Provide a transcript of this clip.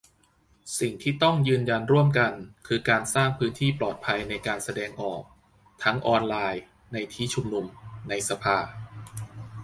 สิ่งที่ต้องยืนยันร่วมกันคือการสร้างพื้นที่ปลอดภัยในการแสดงออก ทั้งออนไลน์ ในที่ชุมนุม ในสภา